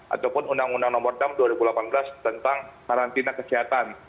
ataupun undang undang nomor enam dua ribu delapan belas tentang karantina kesehatan